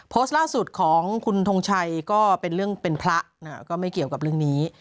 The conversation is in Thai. โพสต์ล่าสุดของคุณทงชัยก็เป็นเรื่องเป็นพระก็ไม่เกี่ยวกับเรื่องนี้